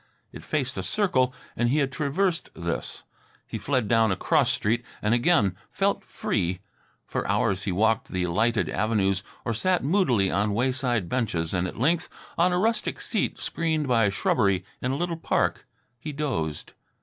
It faced a circle, and he had traversed this. He fled down a cross street and again felt free. For hours he walked the lighted avenues, or sat moodily on wayside benches, and at length, on a rustic seat screened by shrubbery in a little park, he dozed.